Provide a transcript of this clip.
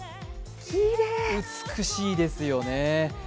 美しいですよね。